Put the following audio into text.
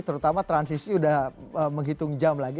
terutama transisi sudah menghitung jam lagi